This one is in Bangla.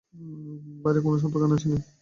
বাইরের কোনো শব্দ কানে আসে নি।